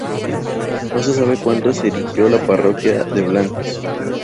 No se sabe cuándo se erigió en parroquia de blancos.